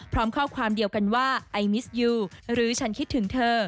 พร้อมข้อความเดียวกันว่าไอมิสยูหรือฉันคิดถึงเธอ